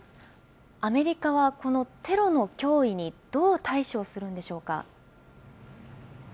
アメリカはこのテロの脅威にどう対処するんでしょうか。